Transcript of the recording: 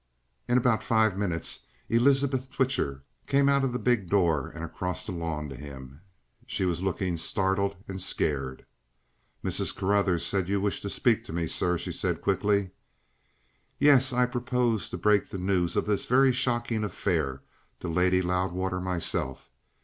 In about five minutes Elizabeth Twitcher came out of the big door and across the lawn to him. She was looking startled and scared. "Mrs. Carruthers said you wished to speak to me, sir?" she said quickly. "Yes. I propose to break the news of this very shocking affair to Lady Loudwater myself.